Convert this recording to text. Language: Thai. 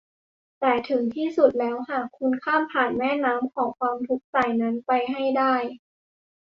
แต่ถึงที่สุดแล้วหากคุณข้ามผ่านแม่น้ำของความทุกข์สายนั้นไปให้ได้